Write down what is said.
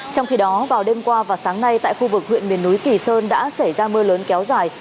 trong khi đó vào đêm qua và sáng nay tại khu vực huyện miền núi kỳ sơn đã xảy ra mưa lớn kéo dài